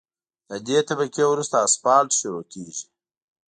له دې طبقې وروسته اسفالټ شروع کیږي